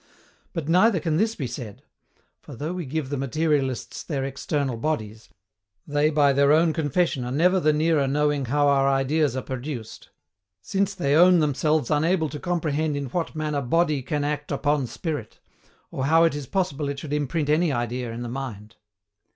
But neither can this be said; for, though we give the materialists their external bodies, they by their own confession are never the nearer knowing how our ideas are produced; since they own themselves unable to comprehend in what manner BODY CAN ACT UPON SPIRIT, or how it is possible it should imprint any idea in the mind.